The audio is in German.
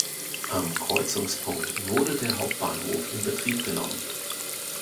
Am Kreuzungspunkt wurde der Hauptbahnhof in Betrieb genommen.